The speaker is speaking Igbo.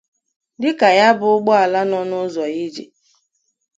dịka ya bụ ụgbọala nọ n'ụzọ ijè